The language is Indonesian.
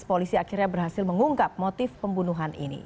polisi akhirnya berhasil mengungkap motif pembunuhan ini